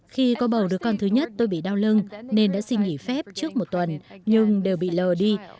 khi có bầu đứa con thứ nhất tôi bị đau lưng nên đã xin nghỉ phép trước một tuần nhưng đều bị lờ đi